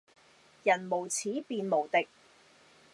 人無恥便無敵